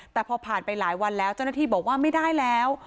แต่พอผ่านไปหลายวันแล้วเจ้าหน้าที่บอกว่าไม่ได้แล้ว